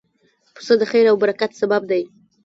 پسه د خیر او برکت سبب دی.